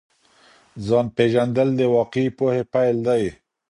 ځان پیژندل د واقعي پوهي پیل دی.